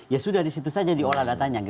ya sudah disitu saja diolah datanya